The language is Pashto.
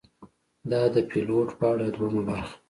دا ده د پیلوټ په اړه دوهمه برخه: